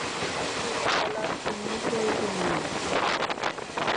আলাদা করে বলার কোনোই প্রয়োজন নেই।